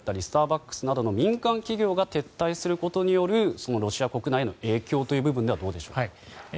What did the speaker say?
スターバックスなどの民間企業が撤退することによるロシア国内の影響という部分ではどうでしょう。